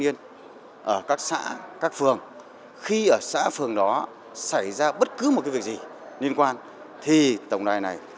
nhiên ở các xã các phường khi ở xã phường đó xảy ra bất cứ một cái việc gì liên quan thì tổng đài này